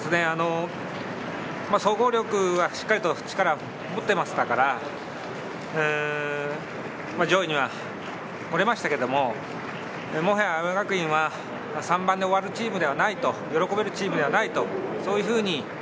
総合力はしっかりと力を持っていましたから、上位には来れましたけれど、青山学院は３番で終わるチームではない、喜べるチームではない。